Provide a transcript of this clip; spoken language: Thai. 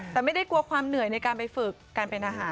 แต่ไม่ได้กลัวความเหนื่อยในการไปฝึกการเป็นอาหาร